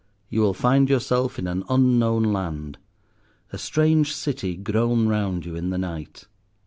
You will find yourself in an unknown land. A strange city grown round you in the night.